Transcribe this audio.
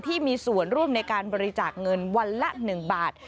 ที่มีส่วนร่วมในการบริจาคเงินวันละ๑บาท